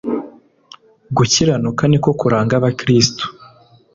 gukiranuka niko kuranga abakiritsu